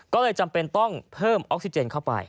ก็เลยจำเป็นต้องเพิ่มออกซิเจนเข้าไป